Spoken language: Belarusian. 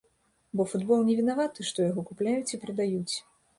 Бо футбол не вінаваты, што яго купляюць і прадаюць.